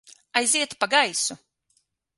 Aiziet pa gaisu!